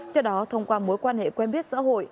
cho đó thông qua mối quan hệ quen biết xã hội